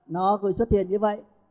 nó cũng xuất hiện như vậy